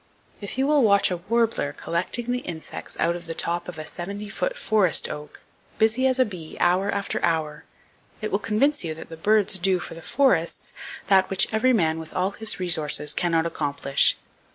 If you will watch a warbler collecting the [Page 219] insects out of the top of a seventy foot forest oak, busy as a bee hour after hour, it will convince you that the birds do for the forests that which man with all his resources cannot accomplish.